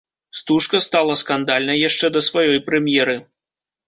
Стужка стала скандальнай яшчэ да сваёй прэм'еры.